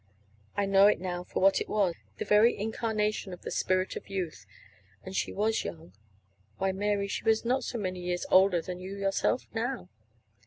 I know it now for what it was the very incarnation of the spirit of youth. And she was young. Why, Mary, she was not so many years older than you yourself, now."